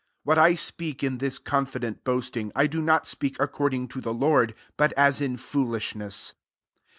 17 What I speak, in this confi dent boasting, I do not speak according to the Lord, but as tn foolishness.